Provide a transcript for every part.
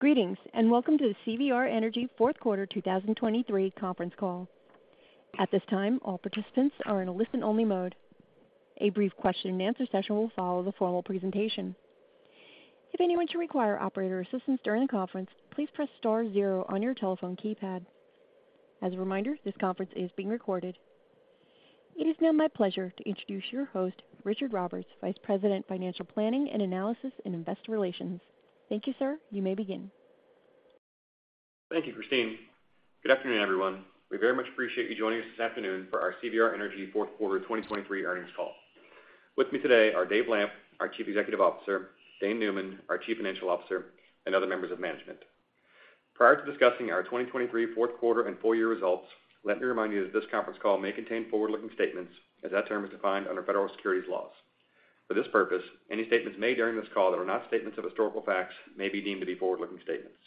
Greetings, and welcome to the CVR Energy Fourth Quarter 2023 Conference Call. At this time, all participants are in a listen-only mode. A brief question-and-answer session will follow the formal presentation. If anyone should require operator assistance during the conference, please press star zero on your telephone keypad. As a reminder, this conference is being recorded. It is now my pleasure to introduce your host, Richard Roberts, Vice President, Financial Planning and Analysis, and Investor Relations. Thank you, sir. You may begin. Thank you, Christine. Good afternoon, everyone. We very much appreciate you joining us this afternoon for our CVR Energy Fourth Quarter 2023 Earnings Call. With me today are Dave Lamp, our Chief Executive Officer, Dane Neumann, our Chief Financial Officer, and other members of management. Prior to discussing our 2023 fourth quarter and full year results, let me remind you that this conference call may contain forward-looking statements as that term is defined under federal securities laws. For this purpose, any statements made during this call that are not statements of historical facts may be deemed to be forward-looking statements.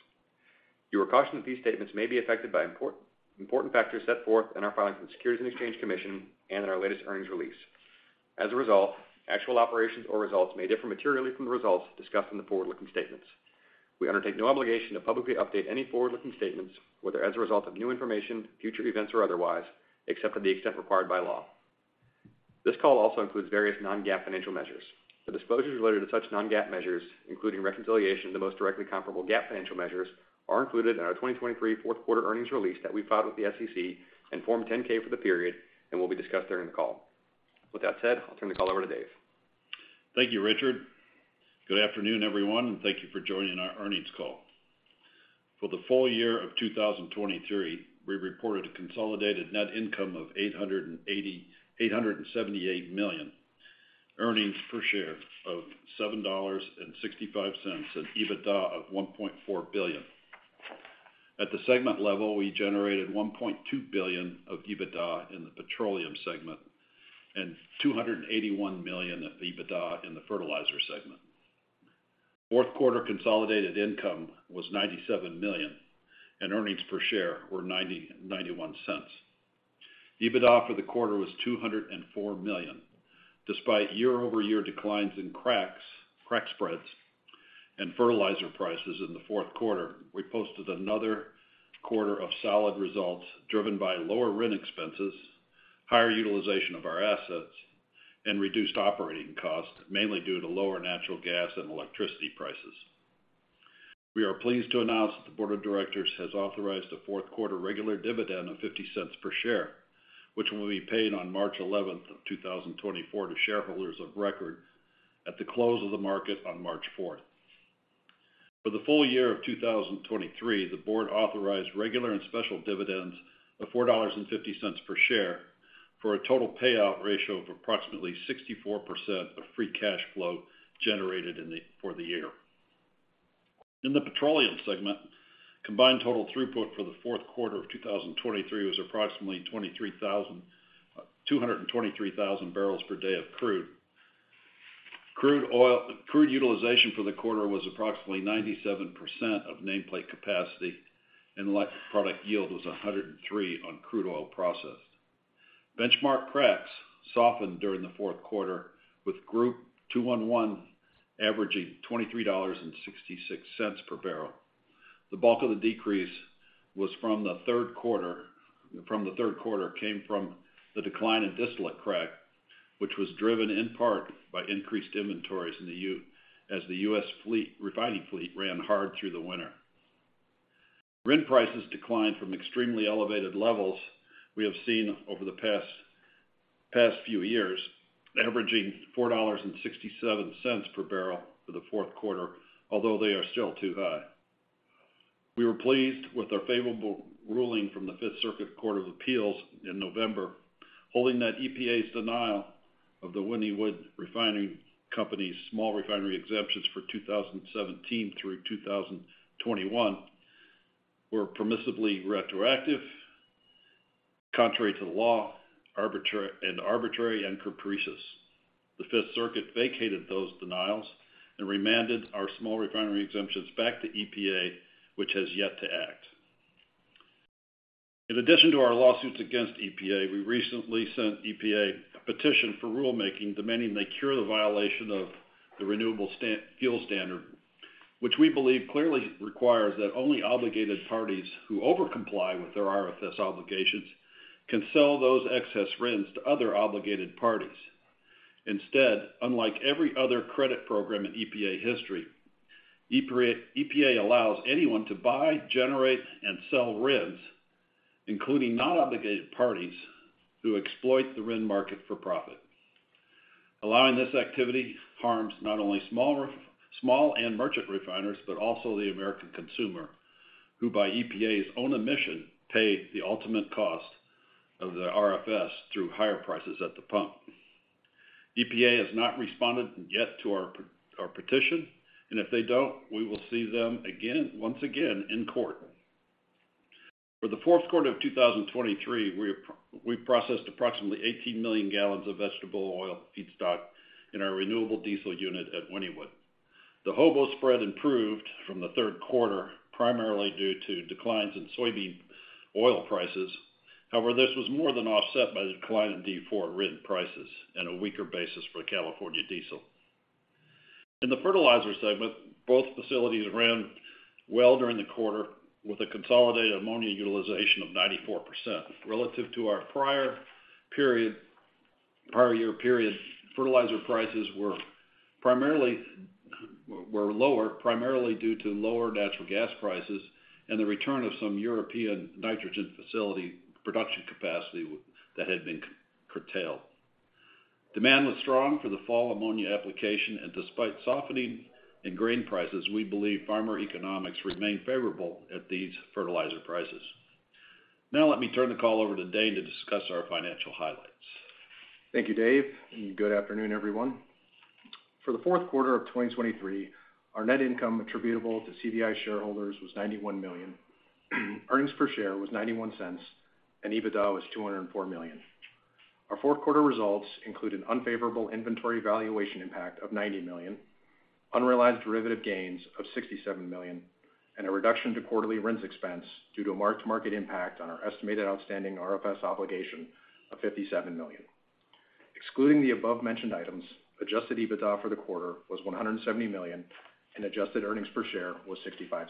You are cautioned that these statements may be affected by important factors set forth in our filings with the Securities and Exchange Commission and in our latest earnings release. As a result, actual operations or results may differ materially from the results discussed in the forward-looking statements. We undertake no obligation to publicly update any forward-looking statements, whether as a result of new information, future events, or otherwise, except to the extent required by law. This call also includes various non-GAAP financial measures. The disclosures related to such non-GAAP measures, including reconciliation of the most directly comparable GAAP financial measures, are included in our 2023 fourth quarter earnings release that we filed with the SEC and Form 10-K for the period and will be discussed during the call. With that said, I'll turn the call over to Dave. Thank you, Richard. Good afternoon, everyone, and thank you for joining our earnings call. For the full year of 2023, we reported a consolidated net income of $878 million, earnings per share of $7.65, and EBITDA of $1.4 billion. At the segment level, we generated $1.2 billion of EBITDA in the Petroleum segment and $281 million of EBITDA in the Fertilizer segment. Fourth quarter consolidated income was $97 million, and earnings per share were $0.91. EBITDA for the quarter was $204 million. Despite year-over-year declines in cracks, crack spreads and fertilizer prices in the fourth quarter, we posted another quarter of solid results, driven by lower RIN expenses, higher utilization of our assets, and reduced operating costs, mainly due to lower natural gas and electricity prices. We are pleased to announce that the board of directors has authorized a fourth quarter regular dividend of $0.50 per share, which will be paid on March 11th, 2024 to shareholders of record at the close of the market on March 4th. For the full year of 2023, the board authorized regular and special dividends of $4.50 per share, for a total payout ratio of approximately 64% of free cash flow generated for the year. In the Petroleum segment, combined total throughput for the fourth quarter of 2023 was approximately 223,000 barrels per day of crude. Crude oil utilization for the quarter was approximately 97% of nameplate capacity, and net product yield was 103 on crude oil processed. Benchmark cracks softened during the fourth quarter, with Group 2-1-1 averaging $23.66 per barrel. The bulk of the decrease was from the third quarter, came from the decline in distillate crack, which was driven in part by increased inventories in the U.S. as the refining fleet ran hard through the winter. RIN prices declined from extremely elevated levels we have seen over the past few years, averaging $4.67 per barrel for the fourth quarter, although they are still too high. We were pleased with our favorable ruling from the Fifth Circuit Court of Appeals in November, holding that EPA's denial of the Wynnewood Refining Company's small refinery exemptions for 2017 through 2021 were permissibly retroactive, contrary to law, arbitrary and capricious. The Fifth Circuit vacated those denials and remanded our small refinery exemptions back to EPA, which has yet to act. In addition to our lawsuits against EPA, we recently sent EPA a petition for rulemaking, demanding they cure the violation of the Renewable Fuel Standard, which we believe clearly requires that only obligated parties who overcomply with their RFS obligations can sell those excess RINs to other obligated parties. Instead, unlike every other credit program in EPA history, EPA allows anyone to buy, generate, and sell RINs, including non-obligated parties, who exploit the RIN market for profit. Allowing this activity harms not only small and merchant refiners, but also the American consumer, who, by EPA's own admission, pay the ultimate cost of the RFS through higher prices at the pump. EPA has not responded yet to our petition, and if they don't, we will see them once again in court. For the fourth quarter of 2023, we processed approximately 18 million gallons of vegetable oil feedstock in our renewable diesel unit at Wynnewood. The HOBO spread improved from the third quarter, primarily due to declines in soybean oil prices; however, this was more than offset by the decline in D4 RIN prices and a weaker basis for California diesel. In the Fertilizer segment, both facilities ran well during the quarter, with a consolidated ammonia utilization of 94%. Relative to our prior year period, fertilizer prices were lower, primarily due to lower natural gas prices and the return of some European nitrogen facility production capacity that had been curtailed. Demand was strong for the fall ammonia application, and despite softening in grain prices, we believe farmer economics remain favorable at these fertilizer prices. Now let me turn the call over to Dane to discuss our financial highlights. Thank you, Dave, and good afternoon, everyone. For the fourth quarter of 2023, our net income attributable to CVR shareholders was $91 million, earnings per share was $0.91, and EBITDA was $204 million. Our fourth quarter results include an unfavorable inventory valuation impact of $90 million, unrealized derivative gains of $67 million, and a reduction to quarterly RINs expense due to a mark-to-market impact on our estimated outstanding RFS obligation of $57 million. Excluding the above-mentioned items, adjusted EBITDA for the quarter was $170 million, and adjusted earnings per share was $0.65.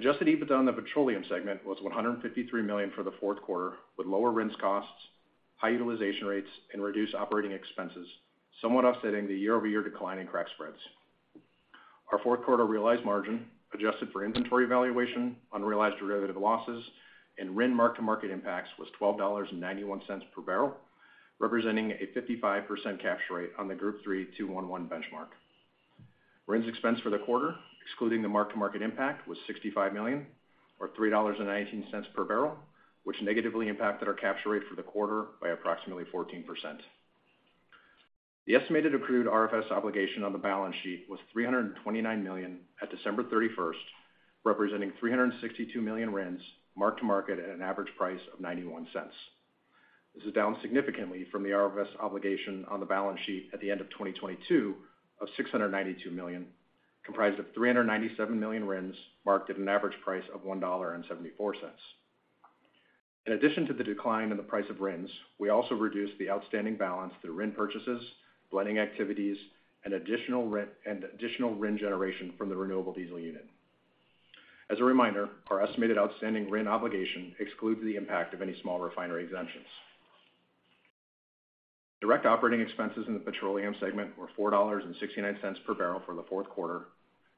Adjusted EBITDA in the Petroleum segment was $153 million for the fourth quarter, with lower RINs costs, high utilization rates, and reduced operating expenses, somewhat offsetting the year-over-year decline in crack spreads. Our fourth quarter realized margin, adjusted for inventory valuation, unrealized derivative losses, and RIN mark-to-market impacts, was $12.91 per barrel, representing a 55% capture rate on the Group 3 2-1-1 benchmark. RINs expense for the quarter, excluding the mark-to-market impact, was $65 million, or $3.19 per barrel, which negatively impacted our capture rate for the quarter by approximately 14%. The estimated accrued RFS obligation on the balance sheet was $329 million at December 31st, representing 362 million RINs, mark-to-market at an average price of $0.91. This is down significantly from the RFS obligation on the balance sheet at the end of 2022 of $692 million, comprised of 397 million RINs, marked at an average price of $1.74. In addition to the decline in the price of RINs, we also reduced the outstanding balance through RIN purchases, blending activities, and additional RIN, and additional RIN generation from the renewable diesel unit. As a reminder, our estimated outstanding RIN obligation excludes the impact of any small refinery exemptions. Direct operating expenses in the Petroleum segment were $4.69 per barrel for the fourth quarter,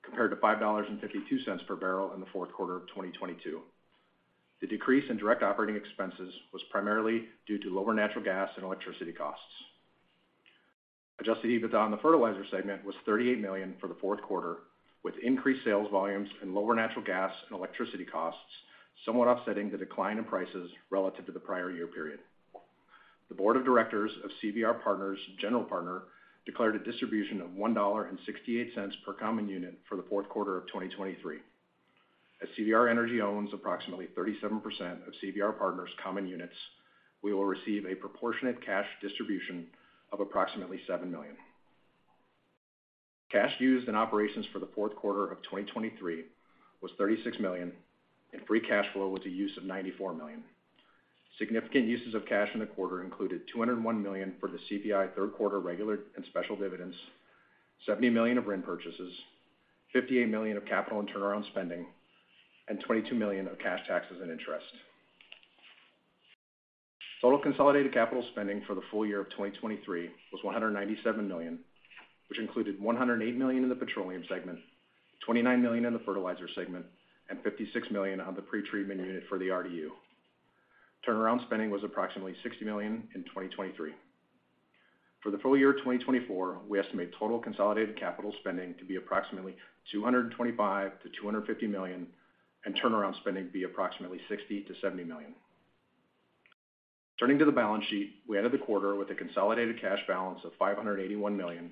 compared to $5.52 per barrel in the fourth quarter of 2022. The decrease in direct operating expenses was primarily due to lower natural gas and electricity costs. Adjusted EBITDA on the Fertilizer segment was $38 million for the fourth quarter, with increased sales volumes and lower natural gas and electricity costs, somewhat offsetting the decline in prices relative to the prior year period. The Board of Directors of CVR Partners' general partner, declared a distribution of $1.68 per common unit for the fourth quarter of 2023. As CVR Energy owns approximately 37% of CVR Partners' common units, we will receive a proportionate cash distribution of approximately $7 million. Cash used in operations for the fourth quarter of 2023 was $36 million, and free cash flow was a use of $94 million. Significant uses of cash in the quarter included $201 million for the CVI third quarter regular and special dividends, $70 million of RIN purchases, $58 million of capital and turnaround spending, and $22 million of cash taxes and interest. Total consolidated capital spending for the full year of 2023 was $197 million, which included $108 million in the Petroleum segment, $29 million in the Fertilizer segment, and $56 million on the pretreatment unit for the RDU. Turnaround spending was approximately $60 million in 2023. For the full year of 2024, we estimate total consolidated capital spending to be approximately $225 million-$250 million, and turnaround spending to be approximately $60 million-$70 million. Turning to the balance sheet, we ended the quarter with a consolidated cash balance of $581 million,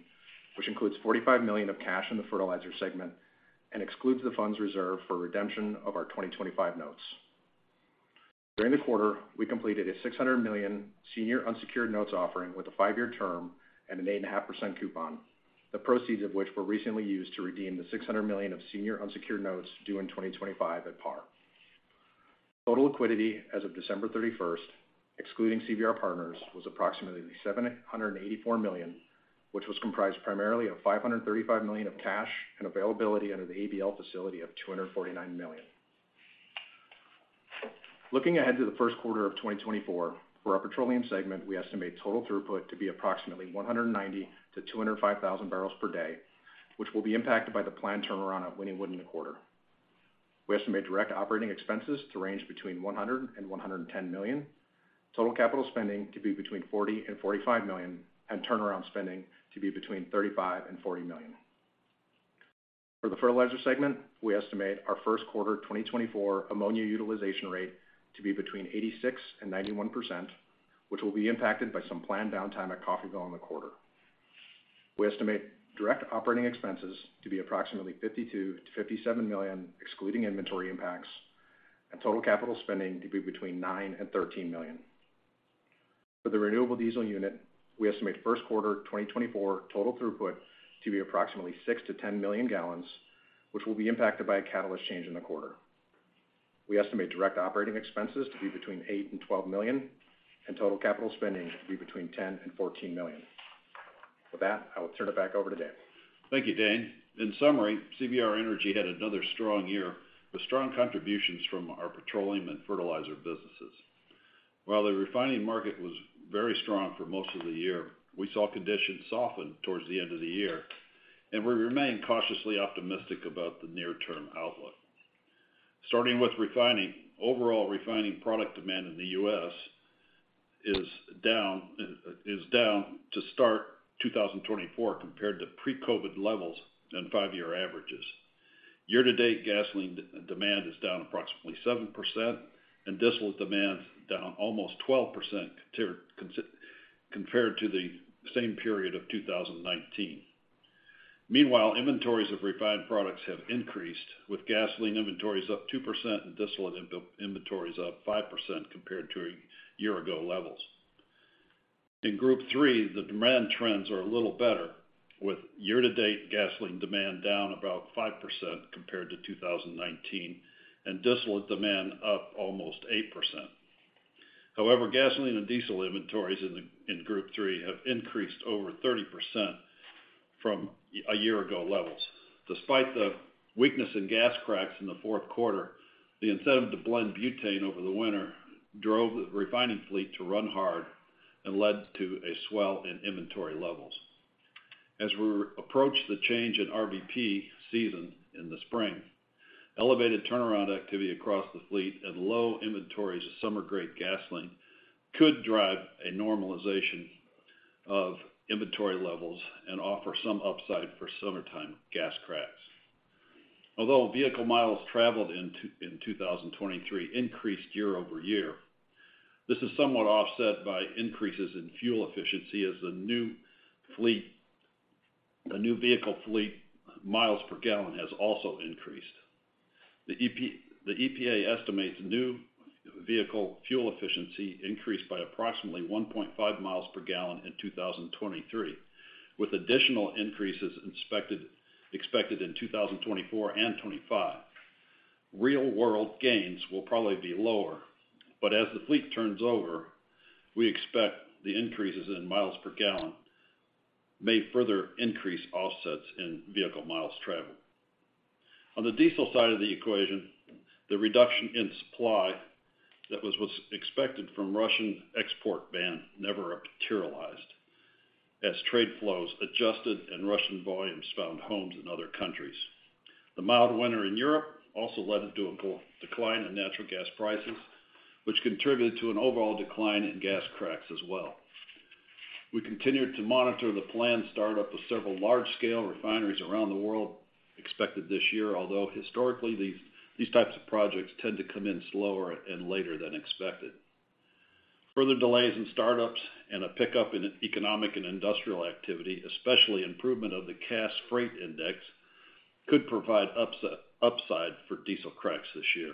which includes $45 million of cash in the Fertilizer segment and excludes the funds reserved for redemption of our 2025 notes. During the quarter, we completed a $600 million senior unsecured notes offering with a five-year term and an 8.5% coupon, the proceeds of which were recently used to redeem the $600 million of senior unsecured notes due in 2025 at par. Total liquidity as of December 31st, excluding CVR Partners, was approximately $784 million, which was comprised primarily of $535 million of cash and availability under the ABL facility of $249 million. Looking ahead to the first quarter of 2024, for our Petroleum segment, we estimate total throughput to be approximately 190-205 thousand barrels per day, which will be impacted by the planned turnaround of Wynnewood in the quarter. We estimate direct operating expenses to range between $100 million and $110 million, total capital spending to be between $40 million and $45 million, and turnaround spending to be between $35 and $40 million. For the Fertilizer segment, we estimate our first quarter 2024 ammonia utilization rate to be between 86% and 91%, which will be impacted by some planned downtime at Coffeyville in the quarter. We estimate direct operating expenses to be approximately $52 million-$57 million, excluding inventory impacts, and total capital spending to be between $9 million and $13 million. For the renewable diesel unit, we estimate first quarter 2024 total throughput to be approximately 6-10 million gallons, which will be impacted by a catalyst change in the quarter. We estimate direct operating expenses to be between $8 million and $12 million, and total capital spending to be between $10 million and $14 million. With that, I will turn it back over to Dave. Thank you, Dane. In summary, CVR Energy had another strong year, with strong contributions from our Petroleum and Fertilizer businesses. While the refining market was very strong for most of the year, we saw conditions soften towards the end of the year, and we remain cautiously optimistic about the near-term outlook. Starting with refining, overall refining product demand in the U.S. is down to start 2024 compared to pre-COVID levels and five-year averages. Year-to-date, gasoline demand is down approximately 7%, and distillate demand down almost 12% compared to the same period of 2019. Meanwhile, inventories of refined products have increased, with gasoline inventories up 2% and distillate inventories up 5% compared to a year ago levels. In Group 3, the demand trends are a little better, with year-to-date gasoline demand down about 5% compared to 2019, and distillate demand up almost 8%. However, gasoline and diesel inventories in Group 3 have increased over 30% from a year ago levels. Despite the weakness in gas cracks in the fourth quarter, the incentive to blend butane over the winter drove the refining fleet to run hard and led to a swell in inventory levels. As we approach the change in RVP season in the spring, elevated turnaround activity across the fleet and low inventories of summer-grade gasoline could drive a normalization of inventory levels and offer some upside for summertime gas cracks. Although vehicle miles traveled in 2023 increased year-over-year, this is somewhat offset by increases in fuel efficiency as the new fleet, the new vehicle fleet miles per gallon has also increased. The EPA estimates new vehicle fuel efficiency increased by approximately 1.5 miles per gallon in 2023, with additional increases expected in 2024 and 2025. Real-world gains will probably be lower, but as the fleet turns over, we expect the increases in miles per gallon may further increase offsets in vehicle miles traveled. On the diesel side of the equation, the reduction in supply that was what's expected from Russian export ban never materialized, as trade flows adjusted and Russian volumes found homes in other countries. The mild winter in Europe also led to a decline in natural gas prices, which contributed to an overall decline in gas cracks as well. We continued to monitor the planned startup of several large-scale refineries around the world expected this year, although historically, these types of projects tend to come in slower and later than expected. Further delays in startups and a pickup in economic and industrial activity, especially improvement of the Cass Freight Index, could provide upside for diesel cracks this year.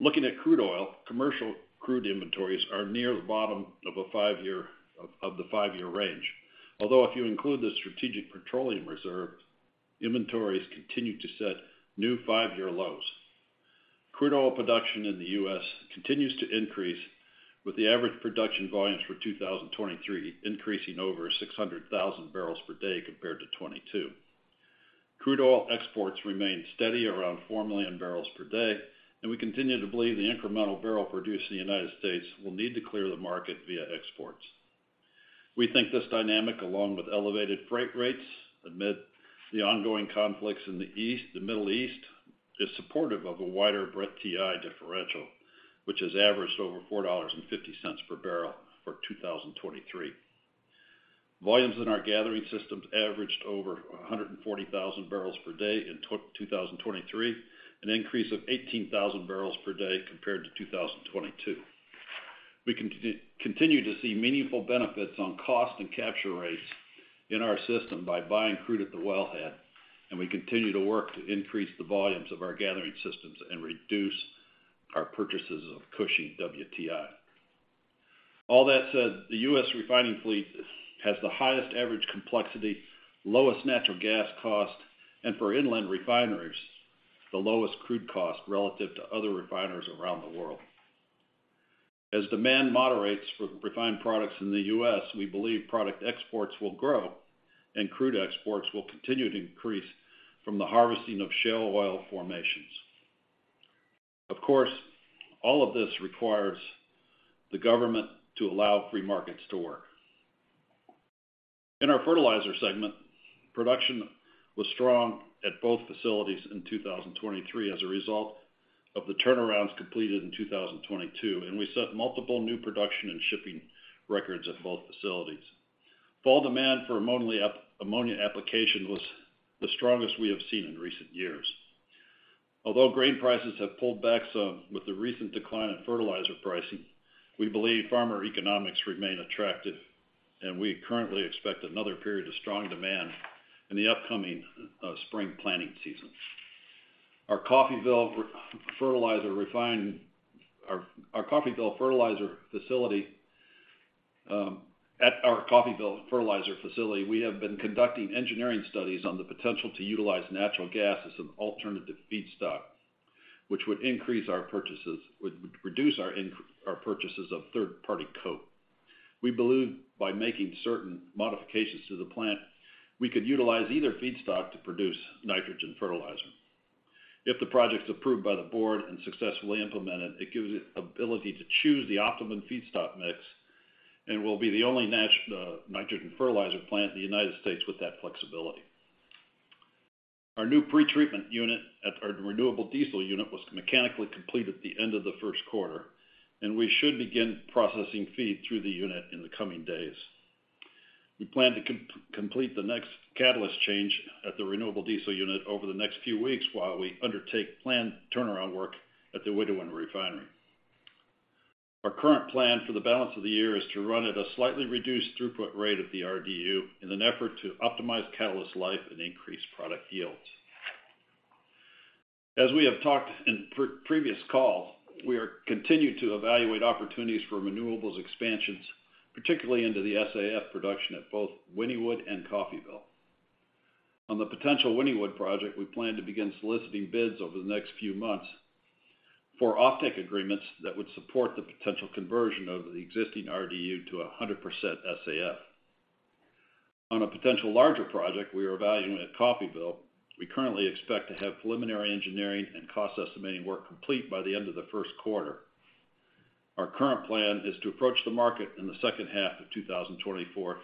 Looking at crude oil, commercial crude inventories are near the bottom of a five-year range, although if you include the Strategic Petroleum Reserve, inventories continue to set new five-year lows. Crude oil production in the U.S. continues to increase, with the average production volumes for 2023 increasing over 600,000 barrels per day compared to 2022. Crude oil exports remain steady around 4 million barrels per day, and we continue to believe the incremental barrel produced in the United States will need to clear the market via exports. We think this dynamic, along with elevated freight rates, amid the ongoing conflicts in the East, the Middle East, is supportive of a wider Brent TI differential, which has averaged over $4.50 per barrel for 2023. Volumes in our gathering systems averaged over 140,000 barrels per day in 2023, an increase of 18,000 barrels per day compared to 2022. We continue to see meaningful benefits on cost and capture rates in our system by buying crude at the wellhead, and we continue to work to increase the volumes of our gathering systems and reduce our purchases of Cushing WTI. All that said, the U.S. refining fleet has the highest average complexity, lowest natural gas cost, and for inland refineries, the lowest crude cost relative to other refiners around the world. As demand moderates for refined products in the U.S., we believe product exports will grow and crude exports will continue to increase from the harvesting of shale oil formations. Of course, all of this requires the government to allow free markets to work. In our Fertilizer segment, production was strong at both facilities in 2023 as a result of the turnarounds completed in 2022, and we set multiple new production and shipping records at both facilities. Fall demand for ammonia application was the strongest we have seen in recent years. Although grain prices have pulled back some with the recent decline in fertilizer pricing, we believe farmer economics remain attractive, and we currently expect another period of strong demand in the upcoming spring planting season. At our Coffeyville fertilizer facility, we have been conducting engineering studies on the potential to utilize natural gas as an alternative feedstock, which would reduce our purchases of third-party coke. We believe by making certain modifications to the plant, we could utilize either feedstock to produce nitrogen fertilizer. If the project's approved by the board and successfully implemented, it gives it ability to choose the optimum feedstock mix, and we'll be the only nitrogen fertilizer plant in the United States with that flexibility. Our new pretreatment unit at our renewable diesel unit was mechanically complete at the end of the first quarter, and we should begin processing feed through the unit in the coming days. We plan to complete the next catalyst change at the renewable diesel unit over the next few weeks while we undertake planned turnaround work at the Wynnewood Refinery. Our current plan for the balance of the year is to run at a slightly reduced throughput rate of the RDU in an effort to optimize catalyst life and increase product yields. As we have talked in pre-previous calls, we are continued to evaluate opportunities for renewables expansions, particularly into the SAF production at both Wynnewood and Coffeyville. On the potential Wynnewood project, we plan to begin soliciting bids over the next few months for offtake agreements that would support the potential conversion of the existing RDU to 100% SAF. On a potential larger project we are evaluating at Coffeyville, we currently expect to have preliminary engineering and cost estimating work complete by the end of the first quarter. Our current plan is to approach the market in the second half of 2024 to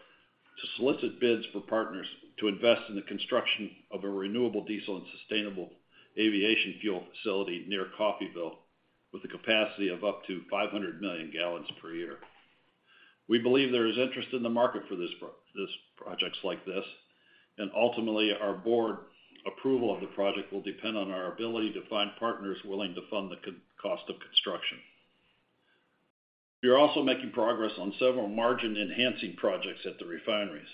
solicit bids for partners to invest in the construction of a renewable diesel and sustainable aviation fuel facility near Coffeyville, with a capacity of up to 500 million gallons per year. We believe there is interest in the market for projects like this, and ultimately, our board approval of the project will depend on our ability to find partners willing to fund the cost of construction. We are also making progress on several margin-enhancing projects at the refineries.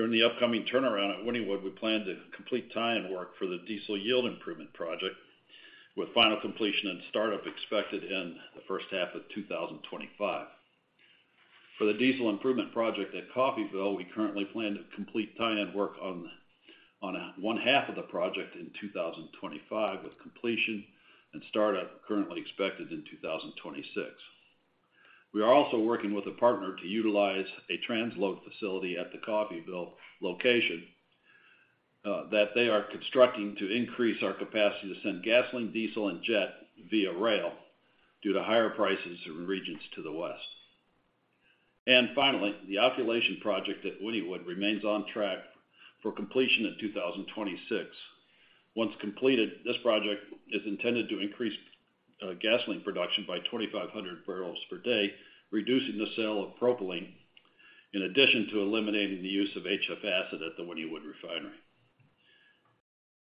During the upcoming turnaround at Wynnewood, we plan to complete tie-in work for the diesel yield improvement project, with final completion and startup expected in the first half of 2025. For the diesel improvement project at Coffeyville, we currently plan to complete tie-in work on one half of the project in 2025, with completion and startup currently expected in 2026. We are also working with a partner to utilize a transload facility at the Coffeyville location, that they are constructing to increase our capacity to send gasoline, diesel, and jet via rail due to higher prices in regions to the west. And finally, the alkylation project at Wynnewood remains on track for completion in 2026. Once completed, this project is intended to increase, gasoline production by 2,500 barrels per day, reducing the sale of propylene, in addition to eliminating the use of HF acid at the Wynnewood Refinery.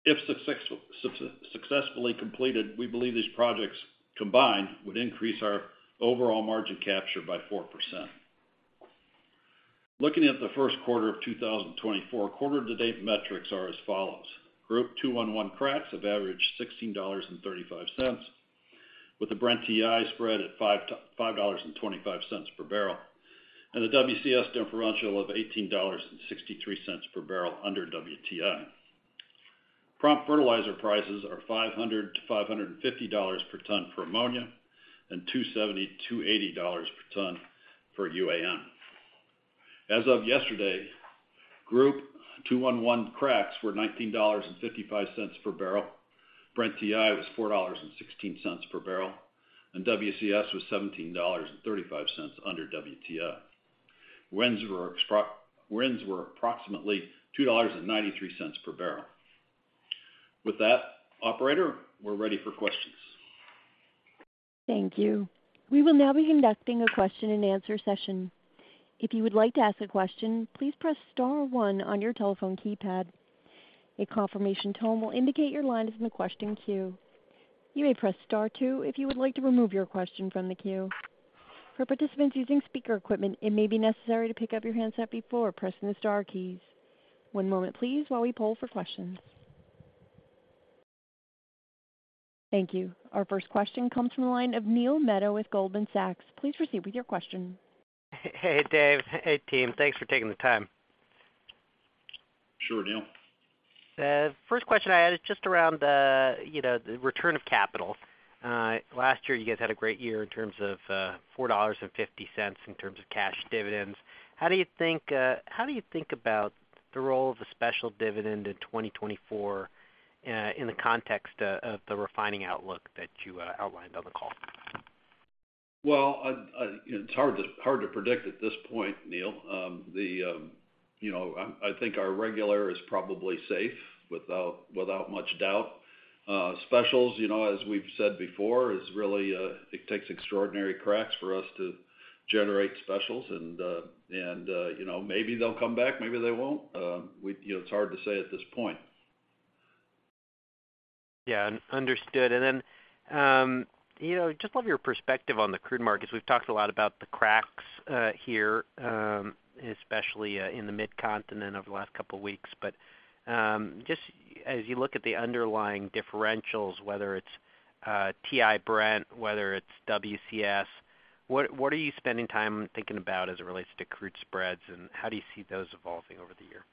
If successfully completed, we believe these projects combined would increase our overall margin capture by 4%. Looking at the first quarter of 2024, quarter-to-date metrics are as follows: Group 2-1-1 cracks have averaged $16.35, with a Brent TI spread at $5-$5.25 per barrel, and the WCS differential of $18.63 per barrel under WTI. Prompt fertilizer prices are $500-$550 per ton for ammonia and $270-$280 per ton for UAN. As of yesterday, Group 2-1-1 cracks were $19.55 per barrel, Brent TI was $4.16 per barrel, and WCS was $17.35 under WTI. RINs were approximately $2.93 per barrel. With that, operator, we're ready for questions. Thank you. We will now be conducting a question-and-answer session. If you would like to ask a question, please press star one on your telephone keypad. A confirmation tone will indicate your line is in the question queue. You may press star two if you would like to remove your question from the queue. For participants using speaker equipment, it may be necessary to pick up your handset before pressing the star keys. One moment please while we poll for questions. Thank you. Our first question comes from the line of Neil Mehta with Goldman Sachs. Please proceed with your question. Hey, Dave. Hey, team. Thanks for taking the time. Sure, Neil. First question I had is just around the, you know, the return of capital. Last year, you guys had a great year in terms of $4.50 in cash dividends. How do you think about the role of a special dividend in 2024, in the context of the refining outlook that you outlined on the call? Well, it's hard to predict at this point, Neil. You know, I think our regular is probably safe without much doubt. Specials, you know, as we've said before, is really it takes extraordinary cracks for us to generate specials, and you know, maybe they'll come back, maybe they won't. You know, it's hard to say at this point. Yeah, understood. And then, you know, just love your perspective on the crude markets. We've talked a lot about the cracks, here, especially, in the Mid-Continent over the last couple of weeks. But, just as you look at the underlying differentials, whether it's, TI Brent, whether it's WCS. What are you spending time thinking about as it relates to crude spreads, and how do you see those evolving over the year?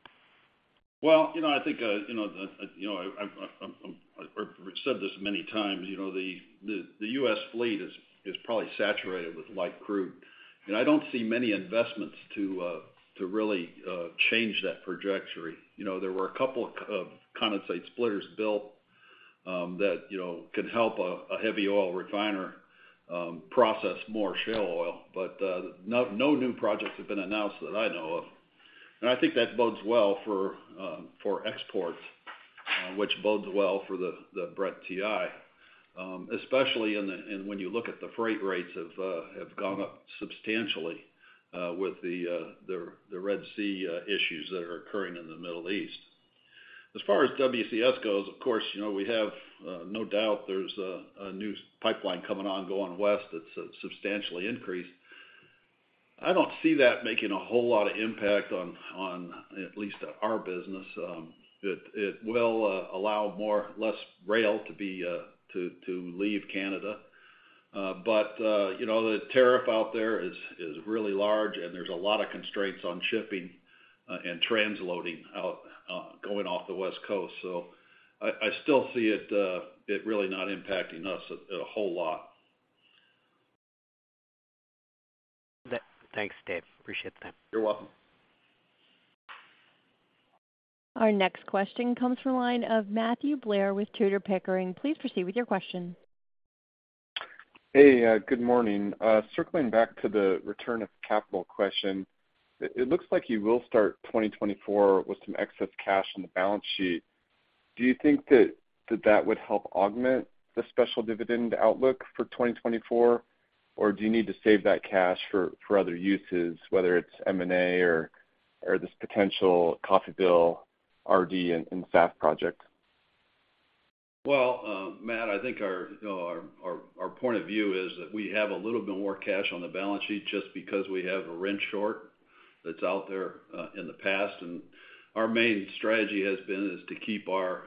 Well, you know, I think you know, I've said this many times, you know, the U.S. fleet is probably saturated with light crude. And I don't see many investments to really change that trajectory. You know, there were a couple of condensate splitters built that you know, can help a heavy oil refiner process more shale oil, but no new projects have been announced that I know of. And I think that bodes well for exports, which bodes well for the Brent TI, especially in the, and when you look at the freight rates have gone up substantially with the Red Sea issues that are occurring in the Middle East. As far as WCS goes, of course, you know, we have no doubt there's a new pipeline coming on, going west that's substantially increased. I don't see that making a whole lot of impact on at least our business. It will allow less rail to leave Canada. But you know, the tariff out there is really large, and there's a lot of constraints on shipping and transloading out going off the West Coast. So I still see it really not impacting us a whole lot. Thanks, Dave. Appreciate the time. You're welcome. Our next question comes from the line of Matthew Blair with Tudor, Pickering. Please proceed with your question. Hey, good morning. Circling back to the return of capital question, it looks like you will start 2024 with some excess cash on the balance sheet. Do you think that would help augment the special dividend outlook for 2024? Or do you need to save that cash for other uses, whether it's M&A or this potential Coffeyville RD and SAF project? Well, Matt, I think our, you know, our point of view is that we have a little bit more cash on the balance sheet just because we have a RIN short that's out there in the past. Our main strategy is to keep our,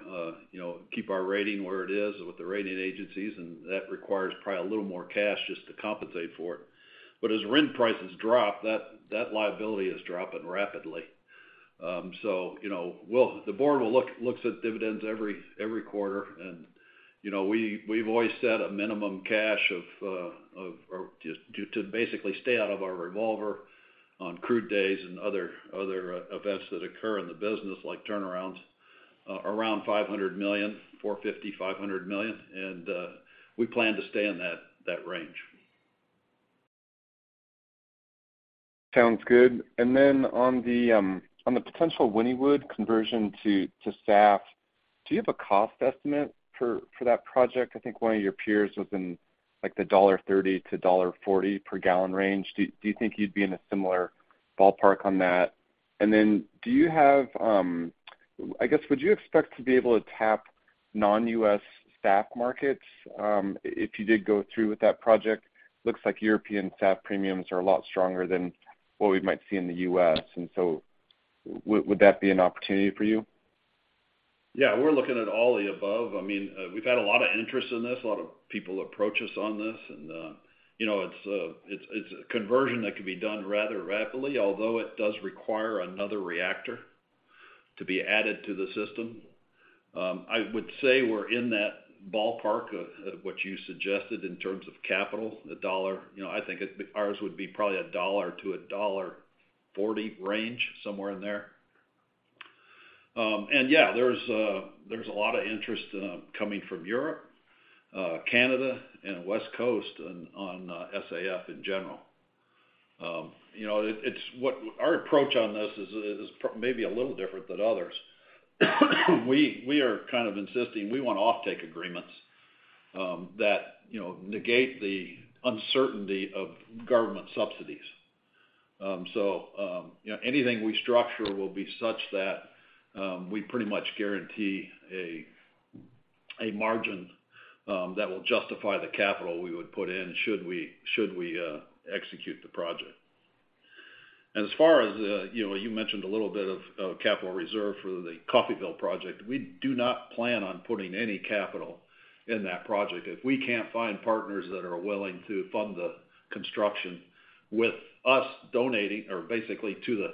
you know, keep our rating where it is with the rating agencies, and that requires probably a little more cash just to compensate for it. But as RIN prices drop, that liability is dropping rapidly. So, you know, the board looks at dividends every quarter. You know, we've always set a minimum cash of, or just to basically stay out of our revolver on crude days and other events that occur in the business, like turnarounds, around $450 million-$500 million, and we plan to stay in that range. Sounds good. Then on the potential Wynnewood conversion to SAF, do you have a cost estimate for that project? I think one of your peers was in, like, the $30-$40 per gallon range. Do you think you'd be in a similar ballpark on that? And then do you have, I guess, would you expect to be able to tap non-U.S. SAF markets, if you did go through with that project? Looks like European SAF premiums are a lot stronger than what we might see in the U.S. And so would that be an opportunity for you? Yeah, we're looking at all the above. I mean, we've had a lot of interest in this. A lot of people approach us on this, and, you know, it's a conversion that can be done rather rapidly, although it does require another reactor to be added to the system. I would say we're in that ballpark of what you suggested in terms of capital, $1. You know, I think it ours would be probably $1-$1.40 range, somewhere in there. And yeah, there's a lot of interest coming from Europe, Canada, and West Coast on SAF in general. You know, it's what our approach on this is maybe a little different than others. We are kind of insisting we want offtake agreements that, you know, negate the uncertainty of government subsidies. So, you know, anything we structure will be such that we pretty much guarantee a margin that will justify the capital we would put in, should we execute the project. And as far as, you know, you mentioned a little bit of capital reserve for the Coffeyville project, we do not plan on putting any capital in that project. If we can't find partners that are willing to fund the construction with us donating, or basically to the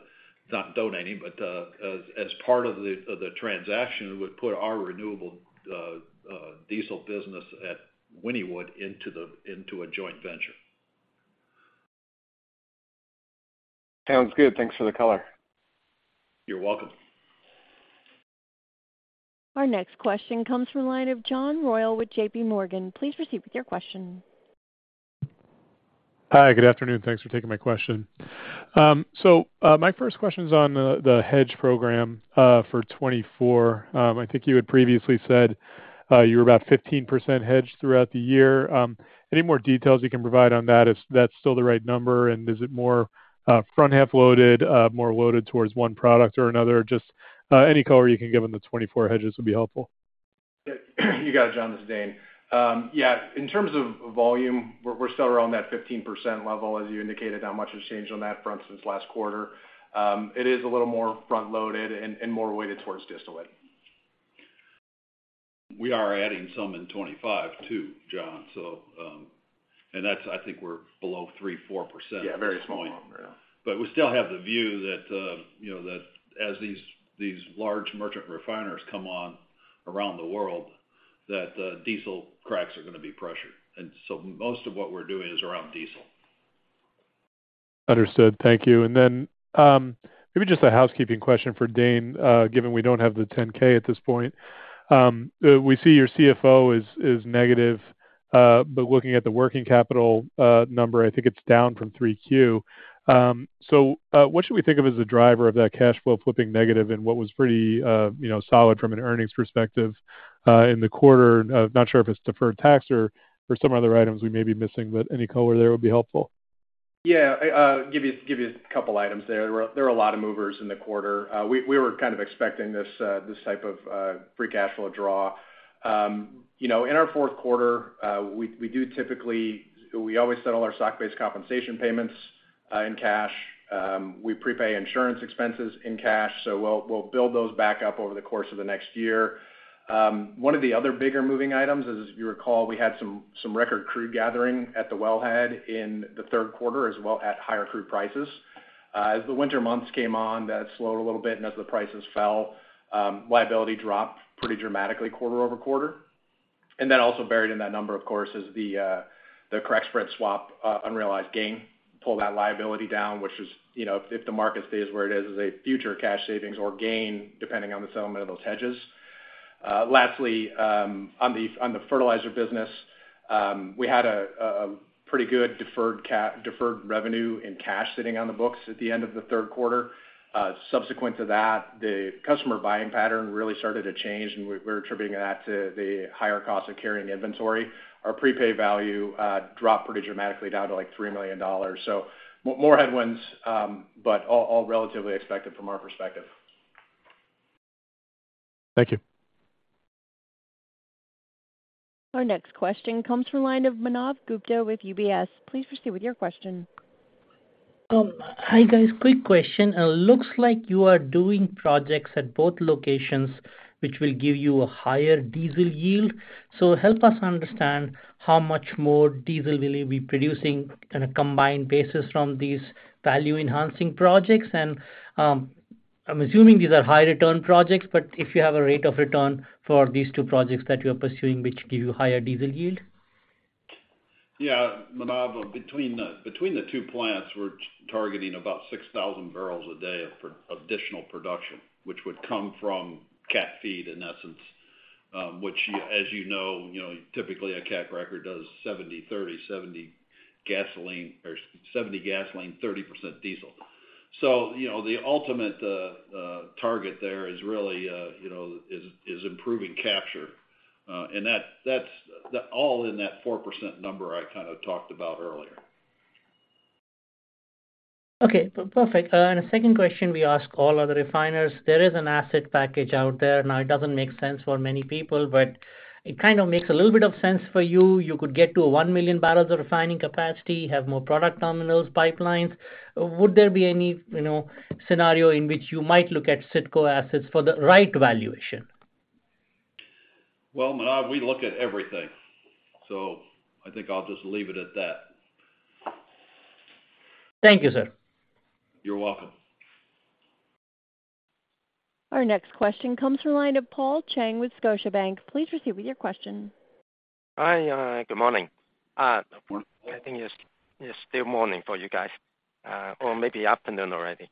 not donating, but, as part of the transaction, would put our renewable diesel business at Wynnewood into a joint venture. Sounds good. Thanks for the color. You're welcome. Our next question comes from the line of John Royall with J.P. Morgan. Please proceed with your question. Hi, good afternoon. Thanks for taking my question. So, my first question is on the hedge program for 2024. I think you had previously said you were about 15% hedged throughout the year. Any more details you can provide on that, if that's still the right number, and is it more front-half loaded, more loaded towards one product or another? Just, any color you can give on the 2024 hedges would be helpful. Yeah. You got it, John, this is Dane. Yeah, in terms of volume, we're, we're still around that 15% level, as you indicated, not much has changed on that front since last quarter. It is a little more front-loaded and, and more weighted towards distillate. We are adding some in 2025 too, John. So, and that's, I think we're below 3%-4%. Yeah, very small, yeah. But we still have the view that, you know, that as these, these large merchant refiners come on around the world, that the diesel cracks are gonna be pressured. And so most of what we're doing is around diesel. Understood. Thank you. And then, maybe just a housekeeping question for Dane. Given we don't have the 10-K at this point, we see your CFO is, is negative, but looking at the working capital, number, I think it's down from 3Q. So, what should we think of as a driver of that cash flow flipping negative and what was pretty, you know, solid from an earnings perspective, in the quarter? Not sure if it's deferred tax or, or some other items we may be missing, but any color there would be helpful. Yeah, I give you a couple items there. There were a lot of movers in the quarter. We were kind of expecting this type of free cash flow draw. You know, in our fourth quarter, we do typically—we always settle our stock-based compensation payments in cash. We prepay insurance expenses in cash, so we'll build those back up over the course of the next year. One of the other bigger moving items, as you recall, we had some record crude gathering at the wellhead in the third quarter, as well at higher crude prices. As the winter months came on, that slowed a little bit, and as the prices fell, liability dropped pretty dramatically quarter-over-quarter. And then also buried in that number, of course, is the correct spread swap unrealized gain, pulled that liability down, which is, you know, if the market stays where it is, is a future cash savings or gain, depending on the settlement of those hedges. Lastly, on the Fertilizer business, we had a pretty good deferred revenue and cash sitting on the books at the end of the third quarter. Subsequent to that, the customer buying pattern really started to change, and we're attributing that to the higher cost of carrying inventory. Our prepaid value dropped pretty dramatically down to, like, $3 million. So more headwinds, but all relatively expected from our perspective. Thank you. Our next question comes from the line of Manav Gupta with UBS. Please proceed with your question. Hi, guys. Quick question. Looks like you are doing projects at both locations, which will give you a higher diesel yield. So help us understand how much more diesel will you be producing on a combined basis from these value-enhancing projects? And, I'm assuming these are high return projects, but if you have a rate of return for these two projects that you're pursuing, which give you higher diesel yield? Yeah, Manav, between the two plants, we're targeting about 6,000 barrels a day of additional production, which would come from cat feed, in essence, which, as you know, typically, a cat cracker does 70, 30, 70 gasoline or 70 gasoline, 30% diesel. So, you know, the ultimate target there is really, you know, is improving capture. And that's all in that 4% number I kind of talked about earlier. Okay, perfect. And the second question we ask all other refiners, there is an asset package out there. Now, it doesn't make sense for many people, but it kind of makes a little bit of sense for you. You could get to 1 million barrels of refining capacity, have more product terminals, pipelines. Would there be any, you know, scenario in which you might look at Citgo assets for the right valuation? Well, Manav, we look at everything, so I think I'll just leave it at that. Thank you, sir. You're welcome. Our next question comes from the line of Paul Cheng with Scotiabank. Please proceed with your question. Hi, good morning. I think it's still morning for you guys, or maybe afternoon already.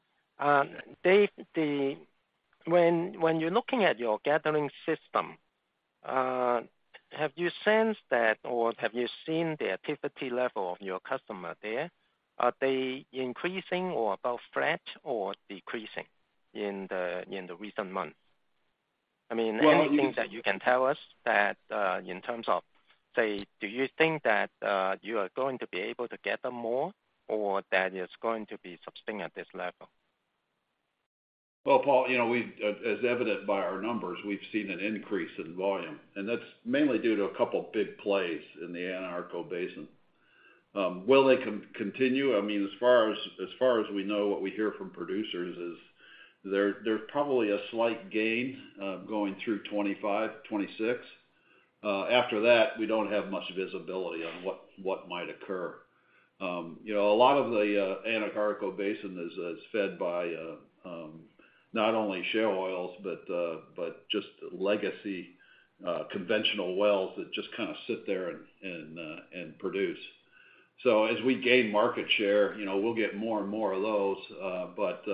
Dave, when you're looking at your gathering system, have you sensed that, or have you seen the activity level of your customer there? Are they increasing or about flat or decreasing in the recent months? I mean, anything that you can tell us that, in terms of, say, do you think that you are going to be able to gather more, or that it's going to be sustaining at this level? Well, Paul, you know, we've as evident by our numbers, we've seen an increase in volume, and that's mainly due to a couple of big plays in the Anadarko Basin. Will they continue? I mean, as far as we know, what we hear from producers is there, there's probably a slight gain, going through 2025, 2026. After that, we don't have much visibility on what might occur. You know, a lot of the Anadarko Basin is fed by not only shale oils, but but just legacy conventional wells that just kind of sit there and and produce. So as we gain market share, you know, we'll get more and more of those, but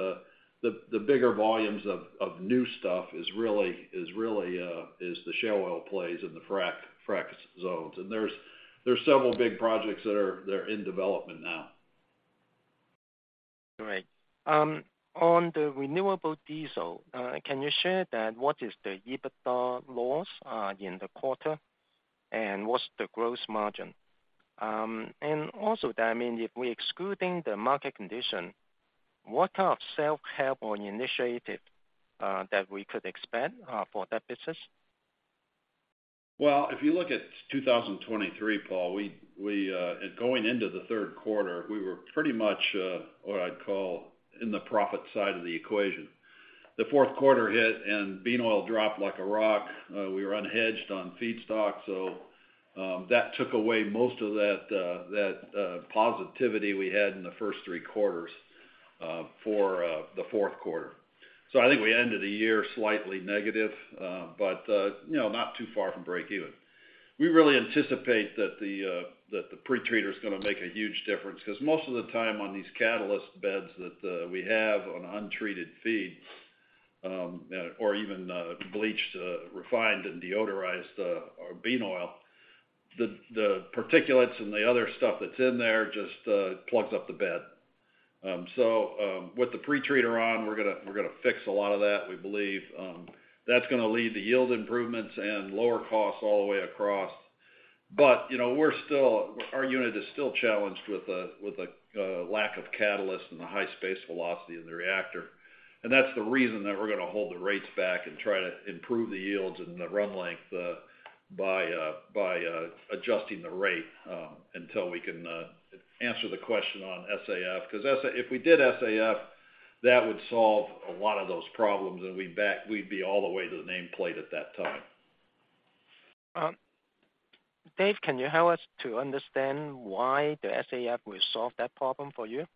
the bigger volumes of new stuff is really the shale oil plays in the frack zones. And there are several big projects that are in development now. Great. On the renewable diesel, can you share that? What is the EBITDA loss in the quarter, and what's the gross margin? And also, I mean, if we're excluding the market condition, what kind of self-help or initiative that we could expect for that business? Well, if you look at 2023, Paul, going into the third quarter, we were pretty much what I'd call in the profit side of the equation. The fourth quarter hit, and bean oil dropped like a rock. We were unhedged on feedstock, so that took away most of that positivity we had in the first three quarters for the fourth quarter. So I think we ended the year slightly negative, but you know, not too far from breakeven. We really anticipate that the pretreater is gonna make a huge difference, 'cause most of the time on these catalyst beds that we have on untreated feeds, or even bleached, refined and deodorized our bean oil, the particulates and the other stuff that's in there just plugs up the bed. So, with the pretreater on, we're gonna fix a lot of that, we believe. That's gonna lead to yield improvements and lower costs all the way across. But, you know, we're still, our unit is still challenged with a lack of catalyst and the high space velocity in the reactor. And that's the reason that we're gonna hold the rates back and try to improve the yields and the run length by adjusting the rate until we can answer the question on SAF. 'Cause if we did SAF, that would solve a lot of those problems, and we'd be all the way to the nameplate at that time. Dave, can you help us to understand why the SAF will solve that problem for you?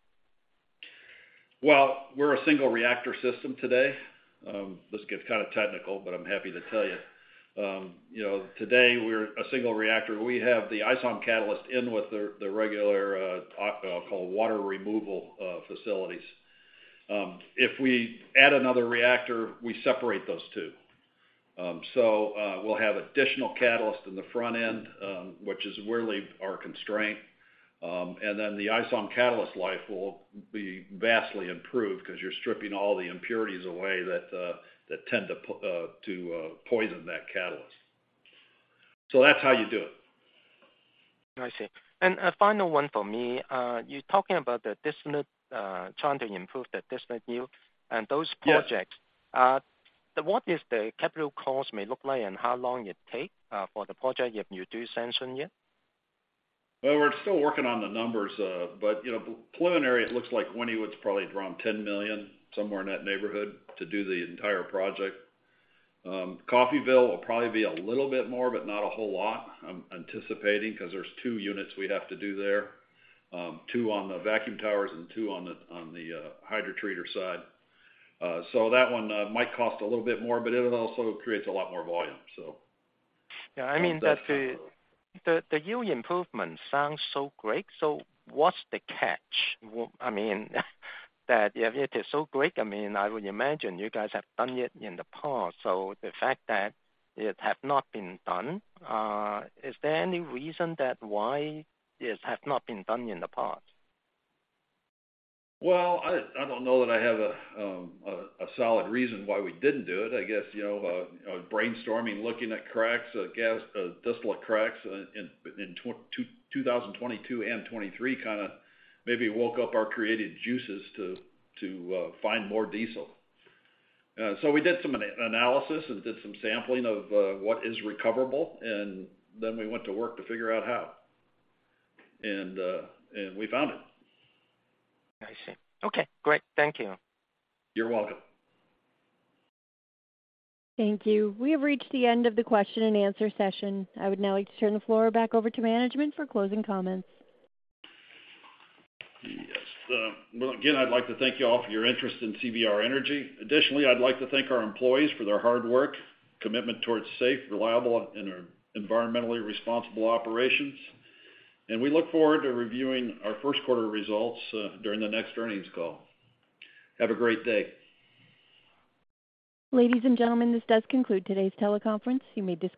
Well, we're a single reactor system today. This gets kind of technical, but I'm happy to tell you. You know, today, we're a single reactor. We have the ISOM catalyst in with the regular called water removal facilities. If we add another reactor, we separate those two. So, we'll have additional catalyst in the front end, which is really our constraint. And then, the ISOM catalyst life will be vastly improved 'cause you're stripping all the impurities away that tend to poison that catalyst. So that's how you do it. I see. A final one for me. You're talking about the distillate, trying to improve the distillate yield and those projects. Yes. What is the capital cost may look like and how long it take for the project if you do sanction it? Well, we're still working on the numbers, but, you know, preliminary, it looks like Wynnewood's probably around $10 million, somewhere in that neighborhood, to do the entire project. Coffeyville will probably be a little bit more, but not a whole lot, I'm anticipating, 'cause there's two units we have to do there. Two on the vacuum towers and two on the hydrotreater side. So that one might cost a little bit more, but it also creates a lot more volume, so. Yeah, I mean, the yield improvement sounds so great, so what's the catch? I mean, that if it is so great, I mean, I would imagine you guys have done it in the past. So the fact that it have not been done, is there any reason that why this has not been done in the past? Well, I don't know that I have a solid reason why we didn't do it. I guess, you know, you know, brainstorming, looking at cracks, gas and distillate cracks in 2022 and 2023, kinda maybe woke up our creative juices to find more diesel. So we did some analysis and did some sampling of what is recoverable, and then we went to work to figure out how. And we found it. I see. Okay, great. Thank you. You're welcome. Thank you. We have reached the end of the question and answer session. I would now like to turn the floor back over to management for closing comments. Yes. Well, again, I'd like to thank you all for your interest in CVR Energy. Additionally, I'd like to thank our employees for their hard work, commitment towards safe, reliable, and environmentally responsible operations. And we look forward to reviewing our first quarter results during the next earnings call. Have a great day. Ladies and gentlemen, this does conclude today's teleconference. You may disconnect